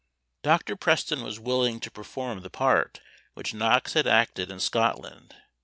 Dr. Preston was willing to perform the part which Knox had acted in Scotland!